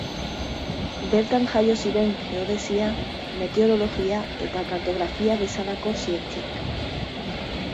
Bertan jaio ziren geodesia, meteorologia eta kartografia bezalako zientziak.